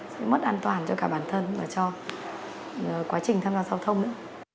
sự mất an toàn cho cả bản thân và cho quá trình tham gia giao thông nữa